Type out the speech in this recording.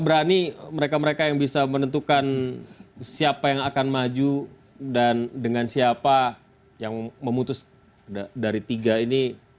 berani mereka mereka yang bisa menentukan siapa yang akan maju dan dengan siapa yang memutus dari tiga ini